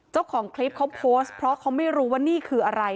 เจ้าของคลิปเขาโพสต์เพราะเขาไม่รู้ว่านี่คืออะไร